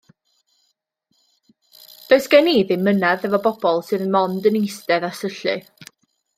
Does gen i ddim 'mynadd efo pobol sydd 'mond yn eistedd a syllu.